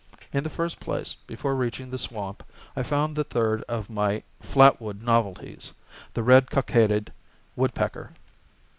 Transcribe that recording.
In the first place, before reaching the swamp, I found the third of my flat wood novelties, the red cockaded woodpecker.